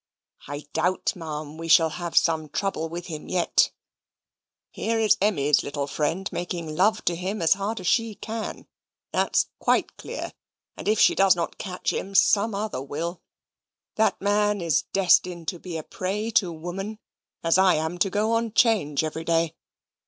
I doubt, Ma'am, we shall have some trouble with him yet. Here is Emmy's little friend making love to him as hard as she can; that's quite clear; and if she does not catch him some other will. That man is destined to be a prey to woman, as I am to go on 'Change every day.